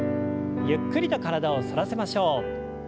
ゆっくりと体を反らせましょう。